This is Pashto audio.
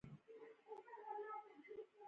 له کلیوالي رواجونو غړېدلی.